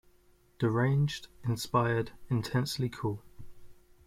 Deranged, inspired, intensely cool.